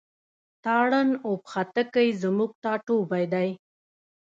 تارڼ اوبښتکۍ زموږ ټاټوبی دی.